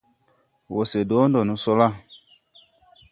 Wɔ se dɔɔ no sɔ la ?